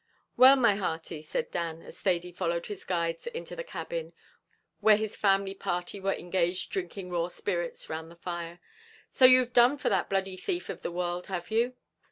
"Well, my hearty," said Dan, as Thady followed his guides into the cabin, where his family party were engaged drinking raw spirits round the fire, "so you've done for that bloody thief of the world, have you?